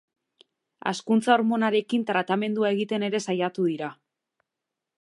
Hazkuntza hormonarekin tratamendua egiten ere saiatu dira.